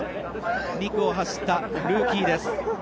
２区を走ったルーキーです。